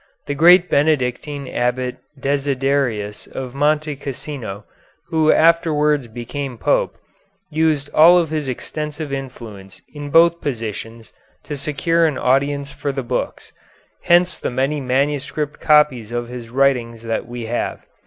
The great Benedictine Abbot Desiderius of Monte Cassino, who afterwards became Pope, used all of his extensive influence in both positions to secure an audience for the books hence the many manuscript copies of his writings that we have.